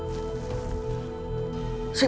siap pak nasir